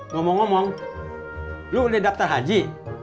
ngomong ngomong lu udah daftar haji